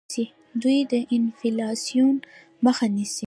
دوی د انفلاسیون مخه نیسي.